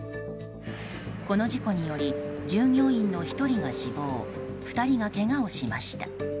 この事故により従業員の１人が死亡２人がけがをしました。